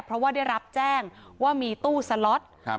เพราะว่าได้รับแจ้งว่ามีตู้สล็อตครับ